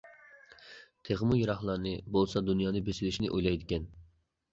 تېخىمۇ يىراقلارنى، بولسا دۇنيانى بېسىۋېلىشنى ئويلايدىكەن.